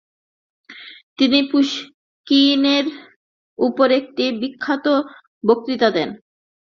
তিনি পুশকিনের উপর একটি বিখ্যাত বক্তৃতা দেন।